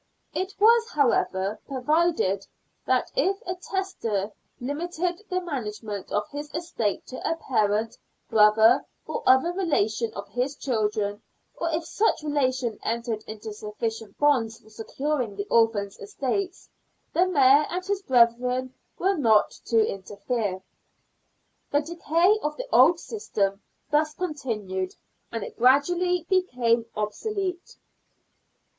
It was, however, provided that if a testator Hmited the management of his estate to a parent, brother, or other relation of his children, or if such relation entered into sufficient bonds for securing the orphans' estates, the Mayor and his brethren were not to interfere. The decay of the old system thus continued, and it gradually became obsolete.